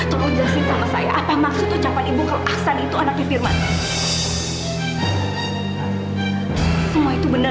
apaan sih bu apa sih apa maksud ucapan ibu kalau aksan itu anaknya firman semua itu bener